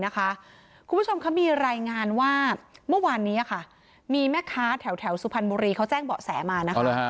คุณผู้ชมเขามีรายงานว่าเมื่อวานนี้มีแม่ค้าแถวสุพรรณบุรีเขาแจ้งเบาะแสมานะคะ